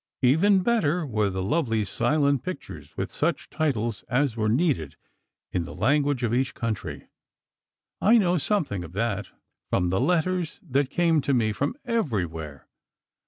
Even better were the lovely silent pictures, with such titles as were needed, in the language of each country. I know something of that, from the letters that came to me, from everywhere.